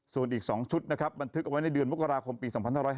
ส่วนอีก๒ชุดนะครับบันทึกเอาไว้ในเดือนมกราคมปี๒๕๕๙